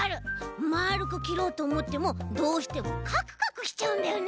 まるくきろうとおもってもどうしてもカクカクしちゃうんだよね。